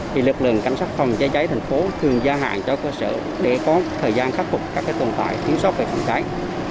thì lực lượng cảnh sát phòng cháy cháy thành phố thường gia hạn cho cơ sở để có thời gian khắc phục các tồn tại thiếu sót về phòng cháy